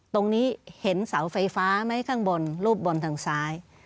ตรงนี้เห็นเสาไฟฟ้าไหมข้างบนรูปบนทางซ้าย